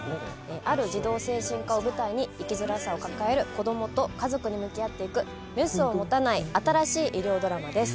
ある児童精神科を舞台に生きづらさを抱える子供と家族に向き合っていくメスを持たない新しい医療ドラマです。